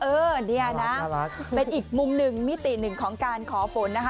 เออเนี่ยนะเป็นอีกมุมหนึ่งมิติหนึ่งของการขอฝนนะคะ